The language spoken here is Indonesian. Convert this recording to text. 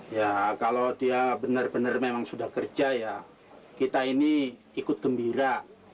ya kalau dia benar benar memang sudah kerja ya kita ini ikut gembira